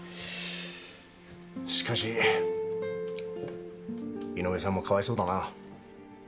しかし井上さんもかわいそうだな。